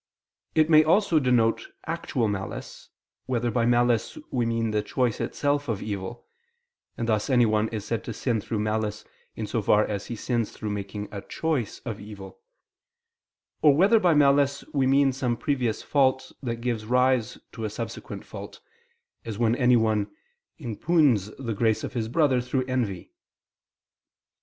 It may also denote actual malice, whether by malice we mean the choice itself of evil (and thus anyone is said to sin through malice, in so far as he sins through making a choice of evil), or whether by malice we mean some previous fault that gives rise to a subsequent fault, as when anyone impugns the grace of his brother through envy.